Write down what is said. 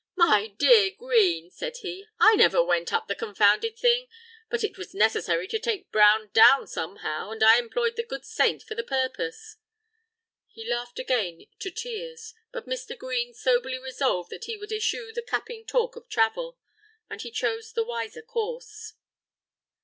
"My dear Green," said he, "I never went up the confounded thing; but it was necessary to take Brown down somehow, and I employed the good saint for the purpose." He laughed again to tears; but Mr. Green soberly resolved that he would eschew the capping talk of travel. And he chose the wiser course.